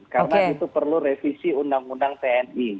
karena itu perlu revisi undang undang tni